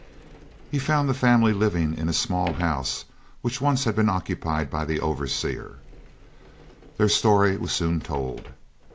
He found the family living in a small house which once had been occupied by the overseer. Their story was soon told.